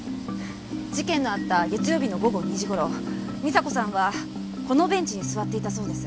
事件のあった月曜日の午後２時頃美沙子さんはこのベンチに座っていたそうです。